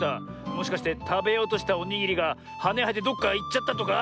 もしかしてたべようとしたおにぎりがはねはえてどっかいっちゃったとか？